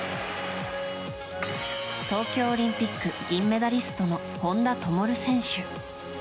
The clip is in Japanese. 東京オリンピック銀メダリストの本多灯選手。